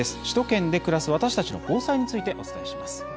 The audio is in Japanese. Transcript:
首都圏で暮らす私たちの防災についてお伝えします。